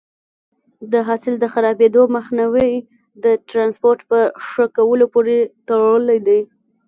د حاصل د خرابېدو مخنیوی د ټرانسپورټ په ښه کولو پورې تړلی دی.